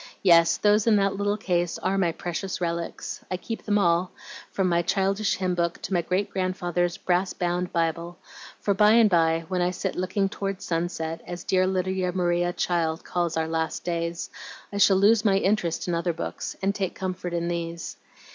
Yes, those in that little case are my precious relics. I keep them all, from my childish hymn book to my great grandfather's brass bound Bible, for by and by when I sit 'Looking towards Sunset,' as dear Lydia Maria Child calls our last days, I shall lose my interest in other books, and take comfort in these.